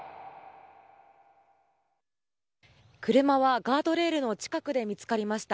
車は、ガードレールの近くで見つかりました。